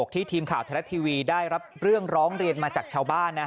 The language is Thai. ทีมข่าวไทยรัฐทีวีได้รับเรื่องร้องเรียนมาจากชาวบ้าน